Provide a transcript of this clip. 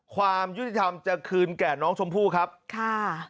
ความยุติธรรมจะคืนแก่น้องชมพู่ครับค่ะ